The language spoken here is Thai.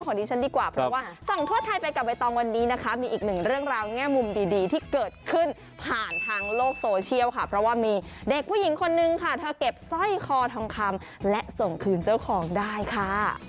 ดีกว่าเพราะว่าส่องทั่วไทยไปกับใบตองวันนี้นะคะมีอีกหนึ่งเรื่องราวแง่มุมดีที่เกิดขึ้นผ่านทางโลกโซเชียลค่ะเพราะว่ามีเด็กผู้หญิงคนนึงค่ะเธอเก็บสร้อยคอทองคำและส่งคืนเจ้าของได้ค่ะ